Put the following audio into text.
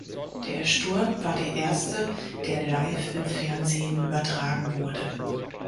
Der Sturm war der erste, der live im Fernsehen übertragen wurde.